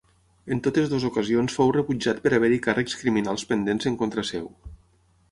En totes dues ocasions fou rebutjat per haver-hi càrrecs criminals pendents en contra seu.